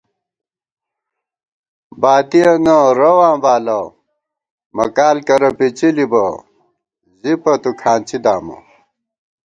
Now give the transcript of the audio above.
باتِیَنہ رَواں بالہ ، مَکال کرہ پِڅِلِبہ ، زِپہ تُو کھانڅی دامہ